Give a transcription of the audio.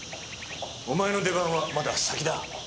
お前の出番はまだ先だ。